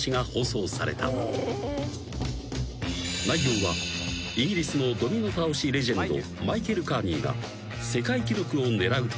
［内容はイギリスのドミノ倒しレジェンドマイケル・カーニーが］